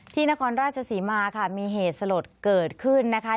นครราชศรีมาค่ะมีเหตุสลดเกิดขึ้นนะคะ